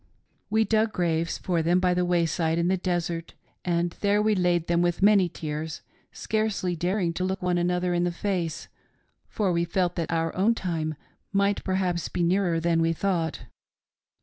" We dug graves for them by the wayside in the desert, and there we laid them with many tears, scarcely daring to look one another in the face, for we felt that our own time might perhaps be nearer than we thought.